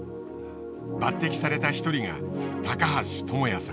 抜てきされた一人が橋朋也さん